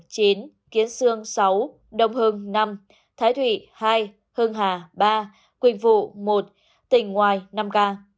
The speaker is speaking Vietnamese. tiền hải sương sáu đồng hưng năm thái thủy hai hưng hà ba quỳnh vụ một tỉnh ngoài năm ca